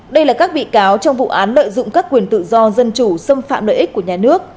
đây là các bị cáo trong vụ án lợi dụng các quyền tự do dân chủ xâm phạm lợi ích của nhà nước